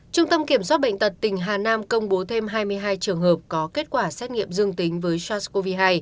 trung tâm kiểm soát bệnh tật tỉnh hà nam công bố thêm hai mươi hai trường hợp có kết quả xét nghiệm dương tính với sars cov hai